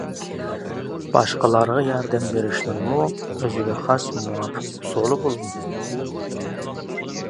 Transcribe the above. باشقىلارغا ياردەم بېرىشنىڭمۇ ئۆزىگە خاس مۇۋاپىق ئۇسۇلى بولىدۇ.